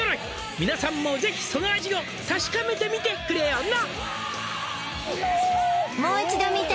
「皆さんも是非その味を確かめてみてくれよな」